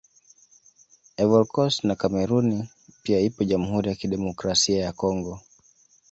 Ivory Coast na Kameruni pia ipo Jamhuri ya Kidemokrasia ya Congo